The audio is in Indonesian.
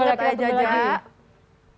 ayah jajah ini